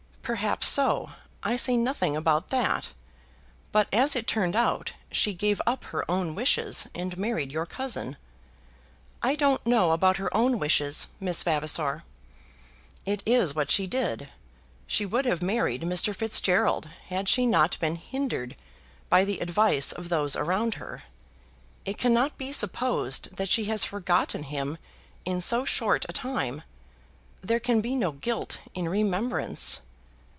"Perhaps so; I say nothing about that. But as it turned out, she gave up her own wishes and married your cousin." "I don't know about her own wishes, Miss Vavasor." "It is what she did. She would have married Mr. Fitzgerald, had she not been hindered by the advice of those around her. It cannot be supposed that she has forgotten him in so short a time. There can be no guilt in her remembrance."